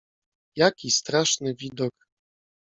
"Jaki straszny widok!"